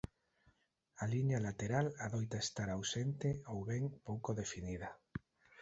A liña lateral adoita estar ausente ou ben pouco definida.